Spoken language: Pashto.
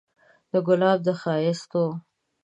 د ګلاب د ښايستو